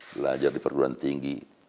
belajar diperluan tinggi